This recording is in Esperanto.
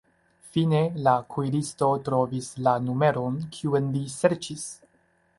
Fine la kuiristo trovis la numeron, kiun li serĉis.